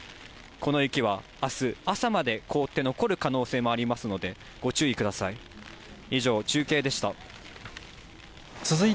この雪はあす朝まで凍って残る可能性もありますので、ご注意ください。